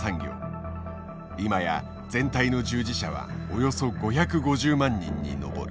今や全体の従事者はおよそ５５０万人に上る。